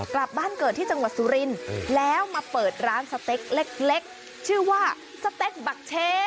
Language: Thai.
กลับบ้านเกิดที่จังหวัดสุรินทร์แล้วมาเปิดร้านสเต็กเล็กชื่อว่าสเต็กบักเช